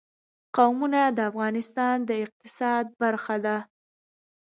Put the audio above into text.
قومونه د افغانستان د اقتصاد برخه ده.